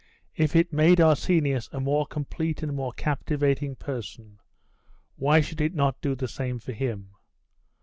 If it made Arsenius a more complete and more captivating person, why should it not do the same for him?